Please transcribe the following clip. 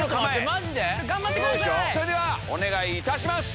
マジで⁉それではお願いいたします。